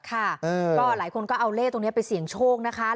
ค่ะก็หลายคนก็เอาเลขตรงนี้ไปเสี่ยงโชคนะคะ